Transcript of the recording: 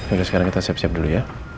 untuk sekarang kita siap siap dulu ya